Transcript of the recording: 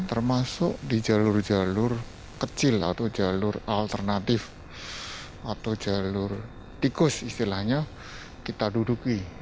termasuk di jalur jalur kecil atau jalur alternatif atau jalur tikus istilahnya kita duduki